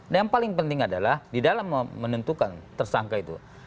nah yang paling penting adalah di dalam menentukan tersangka itu